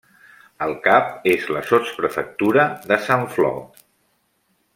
El cap és la sotsprefectura de Sant Flor.